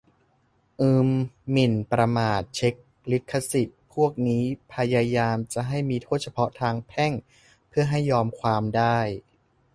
อืม หมิ่นประมาท เช็ค ลิขสิทธิ์ พวกนี้พยายามจะให้มีโทษเฉพาะทางแพ่ง เพื่อให้ยอมความได้